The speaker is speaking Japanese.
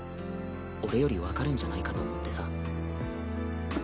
俺より分かるんじゃないかと思ってさ。